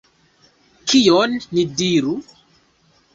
Kion ni diru?